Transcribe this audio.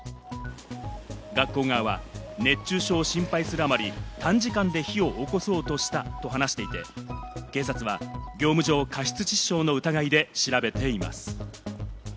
学校側は熱中症を心配するあまり、短時間で火を起こそうとしたと話していて、警察は業務上過失致死傷の疑いで調べています。